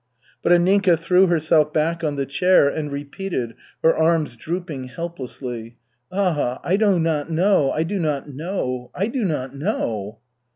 But Anninka threw herself back on the chair and repeated, her arms drooping helplessly: "Ah, I do not know, I do not know, I do not know!"